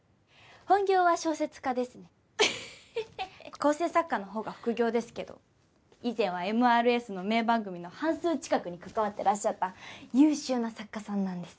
構成作家のほうが副業ですけど以前はＭＲＳの名番組の半数近くに関わってらっしゃった優秀な作家さんなんです。